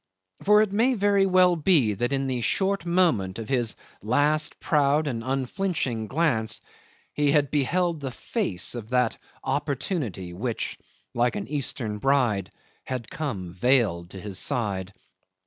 For it may very well be that in the short moment of his last proud and unflinching glance, he had beheld the face of that opportunity which, like an Eastern bride, had come veiled to his side.